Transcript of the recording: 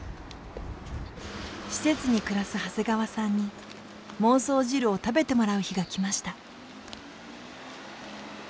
施設に暮らす長谷川さんに孟宗汁を食べてもらう日が来ました。